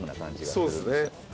そうですね。